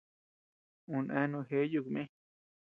Uu eani jeʼe yuku mï.